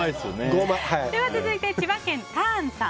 続いて千葉県の方。